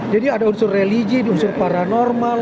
jadi ada unsur religi ada unsur paranormal